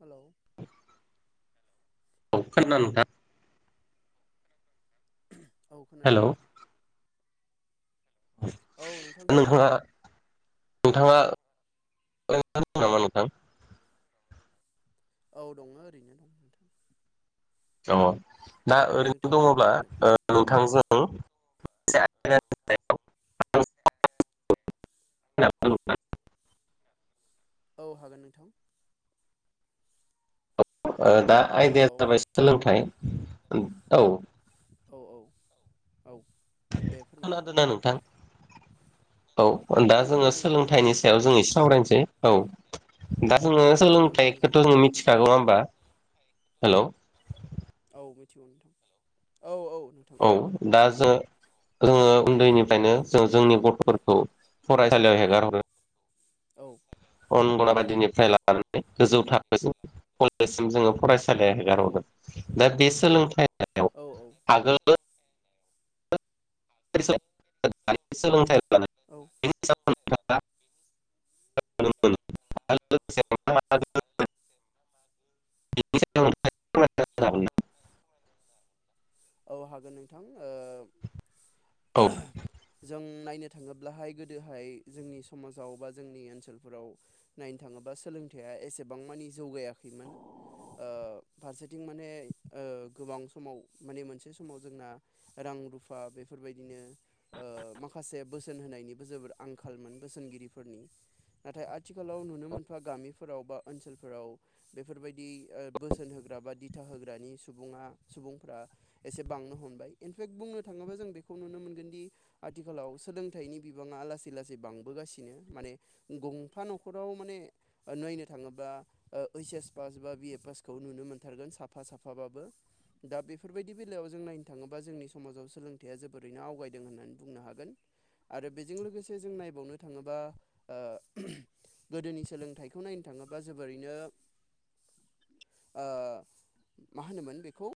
Hello औ [unintelligible] औ खोनादों हेलौ नोंथां। औ नोंथां खोनादों नोंथाङा नोंथाङा [unintelligible] नोंथां औ दङ ओरैनो अ दा ओरैनो नोंथाङालाय मा दङब्ला खालामदों ओ, नोंथांजों [unintelligible] [unintelligible] औ हागोन नोंथां। औ दा हेलौ आयदाया जाबाय सोलोंथाइ, औ औ औ दे फोरमाय खोनादोंना नोंथां? औ दा औ जोङो खोनादों नोंथां सोलोंथाइनि खोनादों सायाव जोङो एसे सावरायनोसै। औ दा जोङो औ नंगौ सोलोंथाइ नोंथां औ बेखौथ' जों दे मिथिखागौ नङा होमबा? हेल' औ मिथिगौ नोंथां। औ नोंथां औ दा जो जोङो उन्दैनिफ्रायनो जों जोंनि गथ'फोरखौ फरायसालियाव हेगार हरो औ अंगनाबादिनिफ्राय लानानै गोजौ थाखोसिम, कलेजसिम जोङो फरायसा [unintelligible] औ हेगारहरो दा बे सोलोंथाइयाव औ आगोल औ [unintelligible] [unintelligible] [unintelligible] औ हागोन नोंथां ओ, औ [unintelligible] जों नायनो थाङोब्लाहाय गोदोहाय जोंनि समाजाव बा जोंनि ओनसोलफोराव नायनो थाङोबा सोलों थाइया एसेबां मानि जौगायाखैमोन ओ, फारसेथिं माने ओ गोबां समाव माने मोनसे समाव जोंना रां रुफा बेफोरबायदिनो ओ, माखासे बोसोन होनाय निबो जोबोर आंखालमोन बोसोनगिरिफोरनि नाथाय आथिखालाव नुनो मोनफा गामिफोराव बा ओनसोलफोराव बेफोरबायदि ओ बोसोन होग्रा बा दिथा होग्रानि सुबुङा सुबुंफ्रा एसे बांनो हमबाय इनफेक्ट बुंनो थाङोबा जों बेखौ नुनो मोनगोन दि आथिखालाव सोलोंथाइनि बि बाङा लासै लासै बांबोगासिनो माने गंफा न'खराव माने नायनो थाङोबा आ ओ ओइस पास बा बि ए पास खौ नुनो मौनथारगोन साफा साफाबाबो दा बे फोरबायदि बेलायाव जों नायनो थाङोबा जोंनि समाजाव सोलोंथाइया जोबोरैनो आवगायदों होननानै बुंनो हागोन आरो बेजों लोगोसे जों नायबावनो थाङोबा ओ गोदोनि सोलोंथाइखौ नायनो था थाङोबा जोबोरैनो [inaudible] ओ मा होनोमोन बेखौ